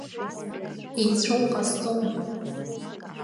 Еицәоу ҟасҵома?